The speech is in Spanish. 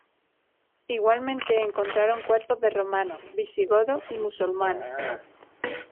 Igualmente encontraron cuerpos de romanos, visigodos y musulmanes.